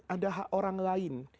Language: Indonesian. ada hak orang lain